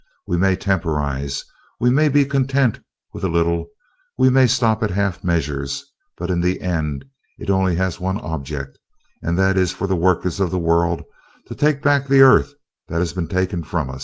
We may temporize; we may be content with a little; we may stop at half measures, but in the end it only has one object, and that is for the workers of the world to take back the earth that has been taken from us.